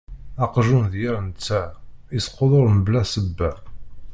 Aqjun d yir netta, isquduṛ mebla ssebba.